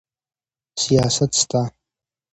سیاست سته.